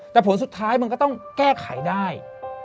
แต่ผลสุดท้ายมันก็ต้องแก้ไขได้